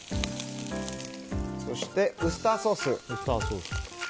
そして、ウスターソース。